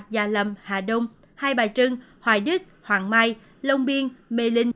gia lâm hà đông hai bài trưng hoài đức hoàng mai lông biên mê linh